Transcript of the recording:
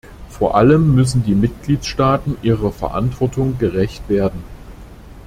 Vor allem müssen die Mitgliedstaaten ihrer Verantwortung gerecht werden.